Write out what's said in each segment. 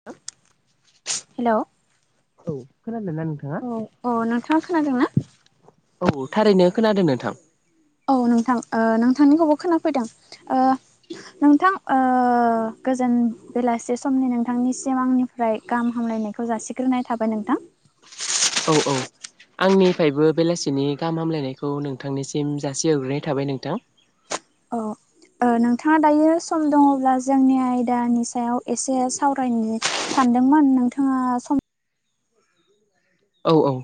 [unintelligible] Hello औ खोनादों ना नों औ औ नोंथाङा खोनादों ना औ थारैनो खोनादों नोंथां औ नोंथां ओ नोंथांनिखौबो खोनाफैदों ओ नोंथां ओ गोजोन बेलासे समनि नोंथांनिसिम आंनि फ्राय गाहाम हामलायनायखौ जासिग्रोनाय थाबाय नोंथां औ औ। आंनिफ्रायबो बेलासिनि गाहाम हामलायनायखौ नोंथांनिसिम जासिहरग्रोनाय थाबाय नोंथां। औ। नोंथाङा दायो सम दङब्ला जोंनि आयदानि सायाव एसे सावरायनो सानदोंमोन नोंथाङा सम औ औ।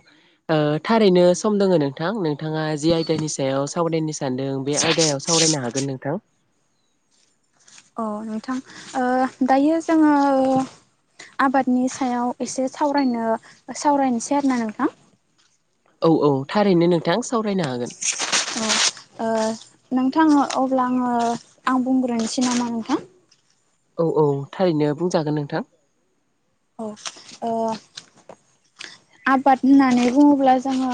थारैनो सम दोङो नोंथां नोंथाङा जि आयदानि सायाव सावरायनो सानदों बे आयदायाव सावरायनो हागोन नोंथां। औ नोंथां दायो जोङो आबादनि सायाव एसे सावरायनो सावरायनोसै आरो ना नोंथां। औ औ थारैनो नोंथां सावरायनो हागोन नोंथाङ अब्ला आङो आं बुंग्रोनोसै नामा नोंथां। औ औ थारैनो बुंजागोन नों औ। आबाद होननानै बुङोब्ला जोङो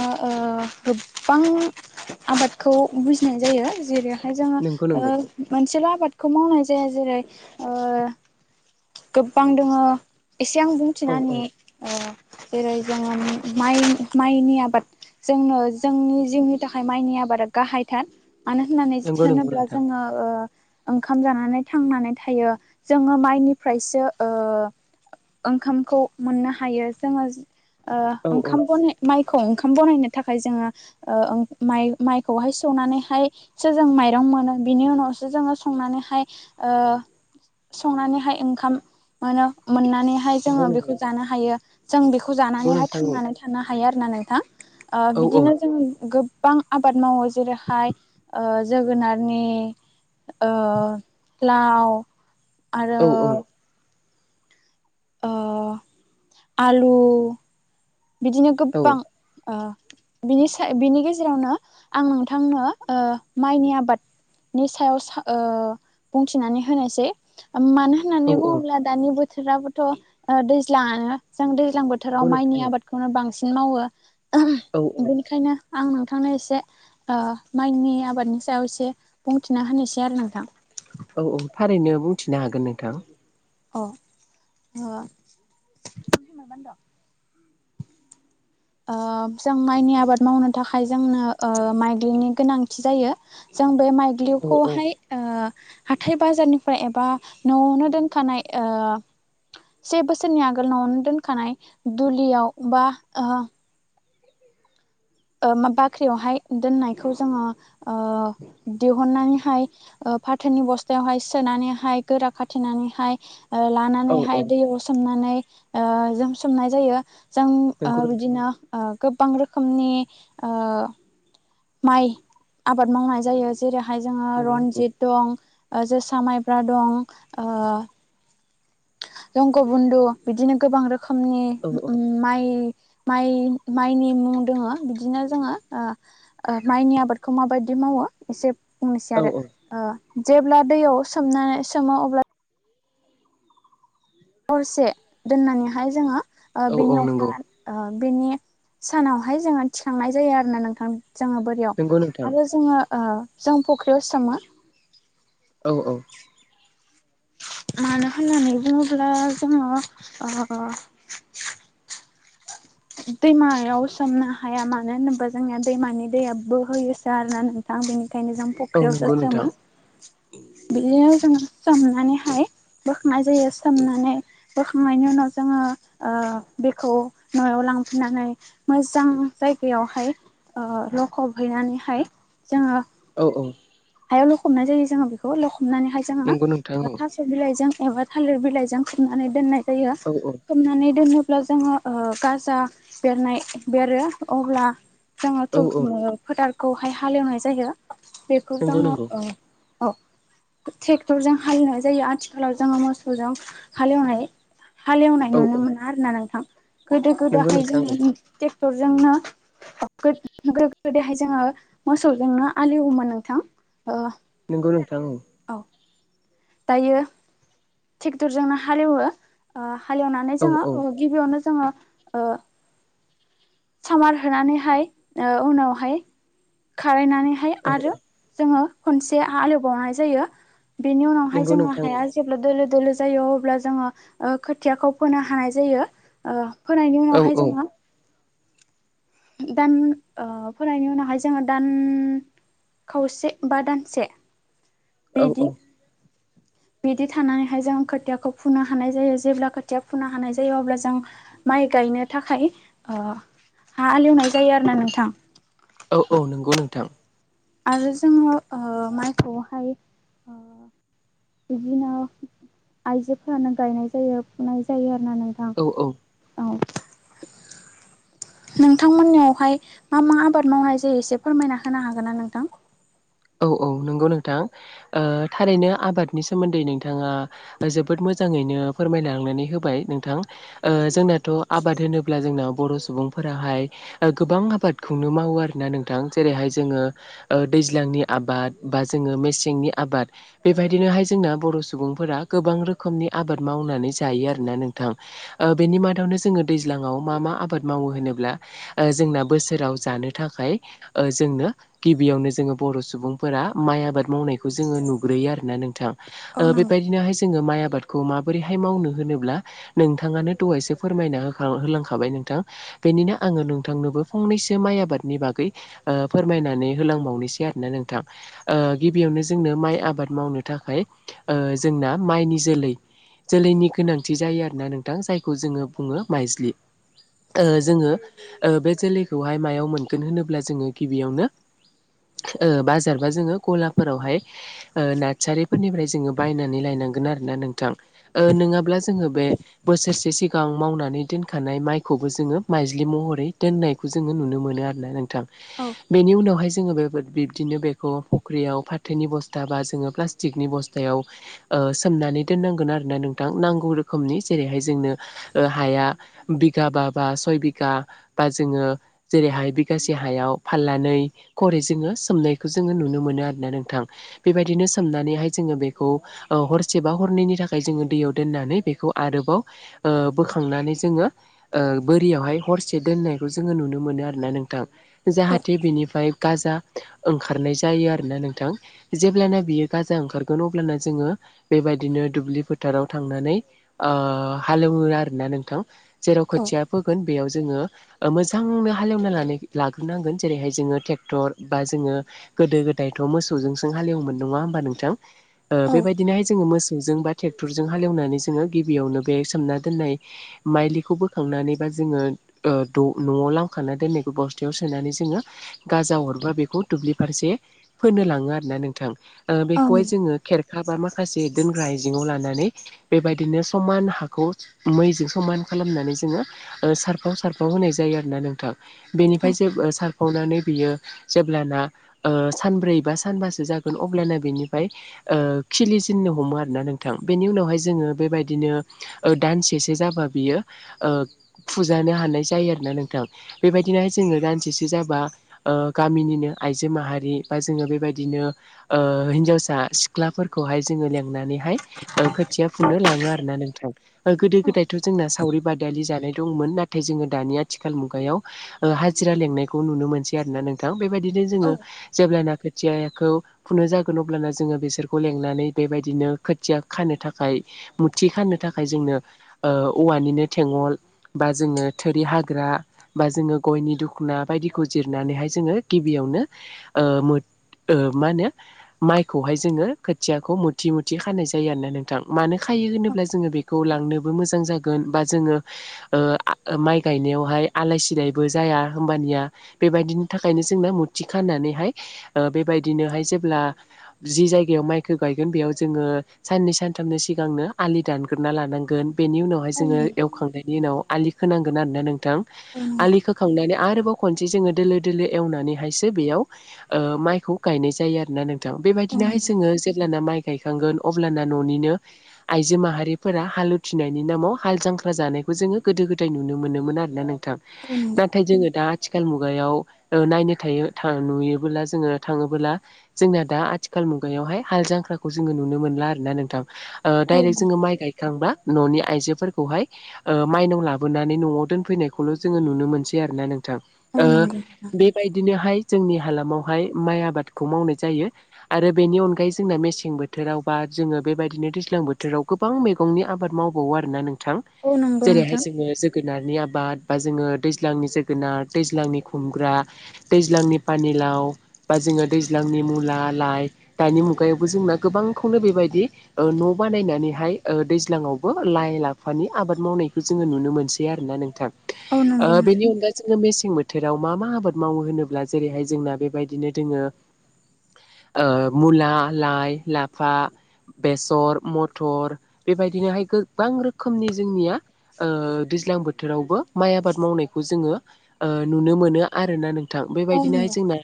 गोबां आबादखौ बुजिनाय जायो जेरै जोङो नंगौ नंगौ मोनसेल' आबादखौ मावनाय जाया जेरै गोबां दङो एसे आं औ औ बुंथिनानै होनि जेरै जोङो माइ माइनि आबाद जोंनो जोंनि जिउनि थाखाय माइनि आबादा गाहायथार मानो होननानै नंगौ नंगौ थानोब्ला नोंथां जोङो। ओंखाम जानानै थांनानै थायो जोङो माइनि फ्रायसो ओंखामखौ मोननो हायो जोङो। ओ औ औ ओंखाम ब माइखौ ओंखाम बनायनो थाखाय जोङो। ओ ओं माइ माइखौहाय सौनानैहाय सो जों माइरं मोनो बिनि उनावसो जोङो संनानैहाय ओ संनानैहाय ओंखाम मोनो मोननानैहाय नंगौ जोङो नंगौ बेखौ जानो हायो जों बेखौ नंगौ जानानैहाय नोंथां थांनानै था थानो हायो आरोना नोंथां ओ औ औ बिदिनो जों गोब गोबां आबाद मावो जेरैहाय जोगोनारनि ओ लाव आरो। औ ओ आलु बिदिनो औ गोबां ओ बिनि सा बिनि गेजेरावनो आं नोंथांनो ओ माइनि आबाद नि सायाव सा बुंथिनानै होनायसै मानोना औ होननानै औ बुङोब्ला दानि बोथोराबोथ' दैज्लाङानो जों दैज्लां नंगौ बोथोराव नोंथां माइनि आबाद खौनो बांसिन मावो औ औ औ बेनिखायनो आं नोंथांनो एसे ओ माइनि आबादनि सायाव एसे बुंथिना होनोसै आरो नोंथां औ-औ थारैनो बुंथिनो हागोन नोंथां। आ ओ ओ जों माइनि आबाद मावनो थाखाय ओ जोंनो माइग्लिनि गोनांथि जायो। जों बे औ औ माइग्लिउखौहाय ओ हाथाय बाजारनिफ्राय एबा न'आवनो दोनखानाय ओ से बोसोरनि आगोल न'आवनो दोनखानाय दुलियाव बा ओ ओ बाख्रियावहाय दोननायखौ जोङो दिहुननानैहाय फाथोननि बस्थायावहाय सोनानैहाय गोरा खाथेनानैहाय ओ औ औ लानानैहाय दैयाव सोमनानै ओ जों सोमनाय जायो। जों आ नंगौ नोंथां बिदिनो गोबां रोखोमनि ओ माइ आबाद मावनाय जायो जेरैहाय जोङो नंगौ नंगौ रनजित दं जोसा माइब्रा दं ओ जंग बन्दु बिदिनो गोबां रोखोमनि औ औ माइ माइ माइनि मुं दोङो बिदिनो जोङो ओ ओ माइनि आबादखौ माबायदि मावो एसे बुंनोसै औ आरो जेब्ला दैयाव सोमनानै सोमो अब्ला हरसे दोननानैहाय जोङो औ औ बेनि नंगौ अखा बेनि सानावहाय जोङो थिखांनाय जायो आरोना नोंथां जोङो बोर नंगौ रियाव नोंथां आरो जोङो जों फुख्रियाव सोमो औ औ [inaudible] मानो होननानै बुङोब्ला जोङो ओ दैमायाव सोमनो हाया मानो होनोबा जोंना दैमानि दैया बोहैयोसो आरोना आं बेनिखायनो जों औ फुख्रियावसो नंगौ सोमो नोंथां बिदियोनो जोंङो सोमनानैहाय बोखांनाय जायो सोमनानै बोखांनायनि उनाव जोङो बेखौ न'आव लांफैनानै मोजां जायगायावहाय ओ लखब हैनानैहाय जोङो औ औ हायाव लखबनाय जायो जोङो बेखौ लखबनानैहाय जोङो नंगौ नोंथां ओ थास स' बिलाइजों एबा थालिर बिलाइजों खोबनानै दोननाय जायो। औ खोबनानै दोनोब्ला जोंहा ओ गाजा बेरनाय बेरो अब्ला जोङो औ थु औ ओ फोथारखौहाय हालेवनाय जायो बेखौ नंगौ जोङो नंगौ ओ औ ट्रेक्टरजों हालेवनाय जायो आथिखालाव जोङो मोसौजों हालेवनाय हालेवनाय औ नुनो औ मोना आरोना नोंथां गोदो नंगौ गोदोहाय नोंथां औ जोङो ट्रेक्टरजोंनो गोदो गोदायहाय जोङो मोसौजोंनो आलि एवोमोनो नों थां ओ नंगौ नोंथां औ दायो ट्रेक्टरजोंनो हालेवो हालेवनानै औ औ जोङो गिबियावनो जोङो ओ सामार होनानैहाय ओ उनावहाय खारायनानैहाय औ औ आरो जोङो खनसे हाल एवबावनाय जायो। बेनि उनावहाय नंगौ जोंङो नोंथां हाया जेब्ला दोलो दोलो जायो अब्ला जोङो ओ खोथियाखौ फोनो हानाय जायो ओ फोनायनि औ उनावहाय औ जोङो दान ओ फरायनायनि उनावहाय जोङो दान खावसे बा दानसे औ बिदि बिदि थानानैहाय जों खोथियाखौ फुनो हानाय जायो जेब्ला खोथिया फुनो हानाय जायो अब्ला जों माइ गायनो थाखाय ओ हालेवनाय जायो आरो ना नोंथां। औ औ नंगौ नोंथां आरो जोङो ओ माइखौहाय ओ बिदिनो आयजोफोरानो गायनाय जायो फुनाय जायो आरो ना नों थां औ औ औ नोंथांमोननियावहाय मा मा आबाद मावनाय जायो एसे फोरमायना होनो हागोन ना नोंथां औ औ नंगौ नोंथां ओ थारैनो आबादनि सोमोन्दै नोंथाङा जोबोद मोजाङैनो फोरमायलांनानै होबाय नोंथां ओ जोंनाथ' आबाद होनोब्ला जोंनाव बर' सुबुंफोराहाय ओ गोबां आबादखौनो मावो आरोना नोंथां जेरैहाय जोङो ओ दैज्लांनि आबाद बा जोङो मेसेंनि आबाद बेबायदिनोहाय जोंना बर' सुबुंफोरा गोबां रोखोमनि आबाद मावनानै जायो आरोना नोंथां। ओ बेनि मादावनो जोङो दैज्लाङाव मा मा आबाद मावो होनोब्ला ओ जोंना बोसोराव जानो थाखाय ओ जोंनो गिबियावनो जोङो बर' सु सुबुंफोरा माइ आबाद मावनायखौ जोङो नुग्रोयो आरोना नोंथां औ बेबायदिनोहाय जोङो माइ आबाद खौ माबोरैहाय मावनो होनोब्ला नोंथाङानो दहायसो फोरमायना होखां होलांखाबाय नोंथां बेनिनो आङो नोंथांनोबो फंनैसो माइ आबादनि बागै ओ फोरमायनानै होलांबावनोसै आरोना नों थां ओ गिबियावनो जोंनो माइ आबाद मावनो थाखाय ओ जोंना माइनि जोलै जोलैनि गोनांथि जायो आरोना नोंथां जायखौ जोङो बुङो माइज्लि ओ जोङो बे जोलैखौहाय मायाव मोनगोन होनोब्ला जोङो गिबियावनो ओ बाजारबा जोङो गलाफोरावहाय ओ नार्सारिफोरनिफ्राय जोङो बायनानै लायनांगोन आरो ना नोंथां ओ नोङाब्ला जोङो बे बोसोरसे सिगां मावनानै दोनखानाय माइखौबो जोङो माइज्लि महरै दोननाय खौ जोङो नुनो मोनो आरोना नोंथां औ बेनि उनावहाय जोङो बेफोर बिबदिनो बे फ फख्रियाव फाथोनि बस्था बा जोङो प्लास्टिकनि बस्थायाव सोमनानै दोननांगोन आरोना नोंथां नांगौ रोखोमनि जेरैहाय जोंनो हाया बिगा बा बा सय बिगा बा जोङो जेरैहाय बिगासे हायाव फाल्लानै खरि जोङो सोमनाय खौ जोङो नुनो मोनो आरोना नोंथां बेबायदिनो सोमनानैहाय जोङो बेखौ हरसेबा हरनैनि थाखाय जोङो दैयाव दोननानै बेखौ आरोबाव ओ बोखांनानै जोङो ओ बोरियावहाय हरसे दोननायखौ जोङो नुनो मोनो आरो ना नोंथां जाहाथे बिनिफ्राय गाजा ओंखारनाय जायो आरोना नोंथां जेब्लाना बियो गाजा ओंखारगोन अब्लाना जोङो बेबायदिनो दुब्लि फोथाराव थांनानै ओ हालेवो आरोना नोंथां जेराव औ खोथिया फोगोन बेयाव जोङो मोजांनो हालेवना लाग्रोनांगोन जेरैहाय जोङो ट्रेक्टर बा जोङो गोदो गोदायथ मोसौजोंसों हालेवोन नङा होमबा नोंथां औ बेबायदिनोहाय जोङो मोसौजों बा ट्रेक्टरजों हालेवनानै जोङो गिबियावनो बे सोमना दोननाय माइलिखौ बोखांनानैबा जोङो ओ द न'आव लांखाना दोननायखौ बस्थायाव सोनानै जोङो गाजा हरबा बेखौ दुब्लि फारसे फोनो लाङो आरोना नोंथां ओ औ बेखौहाय जोङो खेरखा बा माखासे दोनग्रा आइजेङाव लानानै बेबायदिनो समान हाखौ मैजों समान खालामनानै जोङो सारफाव सारफाव होनाय जायो आरोना नोंथां बेनिफ्राय जे सारफावनानै बियो जेब्लाना ओ सानब्रै बा सानबासो जागोन अब्लाना बेनिफ्राय ओ खिलिजन्नो हमो आरोना नोंथां बेनि उनावहाय जोङो बेबायदिनो ओ दानसेसो जाबा बियो ओ फुजानो हानाय जायो आरोना नोंथां बेबायदिनोहाय जोङो दानसेसो जाबा ओ गामिनिनो आइजो माहारि बा जोङो बेबायदिनो हिन्जावसा सिख्लाफोरखौहाय जोङो लेंनानैहाय खोथिया फुनो लाङो आरोना नोंथां गोदो गोदायथ जोंना सावरि बादालि जानाय दंमोन नाथाय जोङो दानि आथिखाल मुगायाव ओ हाजिरा लेंनायखौ नुनो मोनसै आरोना नोंथां बेबायदिनो जोङो जेब्लाना खोथियाखौ फुनो जागोन अब्लाना जोङो बिसोरखौ लेंनानै बेबायदिनो खोथिया खानो थाखाय मुथि खाननो थाखाय जोंनो ओ औवानिनो थेगल बा जोङो थोरि हाग्रा बा जोङो गयनि दखना बायदिखौ जिरनानैहाय जोङो गिबियावनो ओ मुथ माहोनो माइखौहाय जोङो खोथियाखौ मुथि मुथि खानाय जायो आरोना नोंथां। मानोखायो होनोब्ला जोङो बेखौ लांनोबो मोजां जागोन बा जोङो माइ गायनायावहाय आलाय सिलायबो जाया होमबानिया बेबायदिनि थाखाय ओंखायनो जोंना मुरथि खानानैहाय बेबायदिनोहाय जेब्ला जि जायगायाव माइखौ गायगोन बेयाव जोङो साननै सानथामनि सिगांनो आलि दानग्रो ना लानांगोन। बेनि उनाव औ जोङो नंगौ एखांनायनि उनाव आलि खोनांगोन आरो ना नोंथां औ आलि नंगौ खोखांनानै आरोबाव खनसे जोङो दोलो दोलो एवनानैहायसो बेयाव माइखौ गायनाय जायो आरो ना नोंथां औ बेबायदिनोहाय नंगौ जोङो जेलाना माइ गायखांगोन अब्लाना न'निनो आइजो माहारिफोरा हालुथिनायनि नामाव हाल जांख्रा जानायखौ जोङो गोदो गोदाय नुनो मोनोमोन आरो। ना नोंथां औ नंगौ नाथाय जोङो दा आथिखाल मुगायाव नायनो थायो नुयोबोला जोङो थाङोबोला जोंना दा आथिखाल मुगायावहाय हाल जांख्राखौ जोङो नुनो मोनला आरो ना नोंथां। औ दडाइरेक्ट नंगौ जोङो माइ गायखांब्ला न'नि आइजोफोरखौहाय माइनाव लाबोनानै न'आव दोनफैनायखौल' जोङो नुनो मोनसै आरो ना नोंथां। औ नंगौ ओ नोंथां बेबायदिनोहाय जोंनि हालामावहाय माइ आबादखौ मावनाय जायो। आरो बेनि अनगायै जोंना मेसें बोथोराव बा जोङो बेबायदिनो दैज्लां बोथोराव गो गोबां मैगंनि आबाद मावबावो आरोना नोंथां औ नंगौ नोंथां जेरैहाय जोङो जोगोनारनि आबाद बा जोङो दैज्लांनि जोगोनार दैज्लांनि खुमग्रा दैज्लांनि पानिलाव बा जोङो दैज्लांनि मुला लाइ दानि मुगायावबो जोंना गोबांखौनो बेबायदि न' बानायनानैहाय दैज्लाङावबो लाइ लाफानि आबाद मावनायखौ जोङो नुनो मोनसै। बिदि आरो ना नोंथां औ नंगौ ओ बेनि नोंथां अनगायै जों मेसें बोथोराव मा मा आबाद मावो होनोब्ला जेरैहाय जोंना बेबायदिनो दोङो मुला लाइ लाफा बेसर मथर बेबायदिनोहाय गोबां रोखोमनि जोंनिया दैज्लां बोथोरावबो माइ आबाद मावनायखौ जोङो नुनो मोनो। आरो ना नोंथां औ बेबायदिनोहाय नंगौ जोंना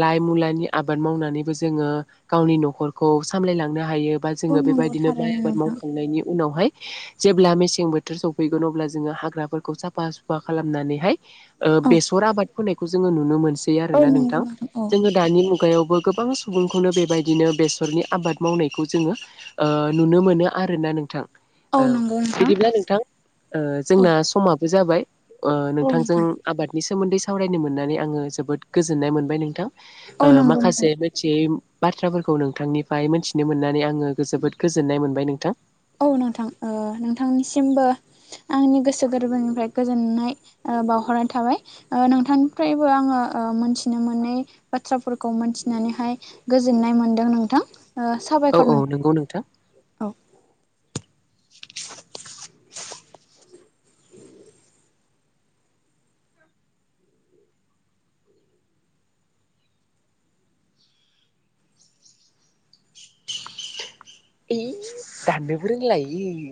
लाइ मुलानि आबाद मावनानैबो जोङो गावनि न'खरखौ सामलायलांनो हायो। बा औ जोङो नंगौ बेबायदिनो माइ थारैनो आबाद नोंथां मावखांनायनि उनावहाय जेब्ला मेसें बोथोर सफैगोन अब्ला जोङो हाग्राफोरखौ साफा सुफा खालामनानैहाय औ बेसर आबाद फोनायखौ जोङो नुनो मोनसै औ आरोना नंगौ नोंथां औ जोङो दानि मुगायावबो गोबां सुबुंखौनो बेबायदिनो बेसरनि आबाद मावनायखौ जोङो नुनो मोनो आरो ना नोंथां औ नंगौ नोंथां बिदिब्ला नोंथां ओ औ जोंना समाबो जाबाय ओ औ नोंथांजों नोंथां आबादनि सोमोन्दै सावरायनो मोननानै आङो जोबोद गोजोन्नाय मोनबाय नोंथां औ नंगौ नोंथां माखासे मिथियै बाथ्राफोरखौ नोंथांनिफ्राय मोनथिनो मोननानै आङो जोबोद गोजोननाय मोनबाय नोंथां। औ नोंथां नोंथांनिसिमबो आंनि गोसो गोरबोनिफ्राय गोजोननाय बावहरनाय थाबाय नोंथांनिफ्रायबो आङो मोनथिनो मोनै बाथ्राफोरखौ मोनथिनानैहाय गोजोननाय मोन्दों नोंथां साबायखर नों नोंगौ नोंथां औ दाननोबो रोंला इयो।